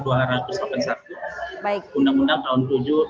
undang undang tahun dua ribu tujuh belas